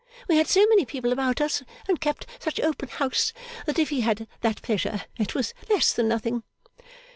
We had so many people about us, and kept such open house, that if he had that pleasure, it was less than nothing.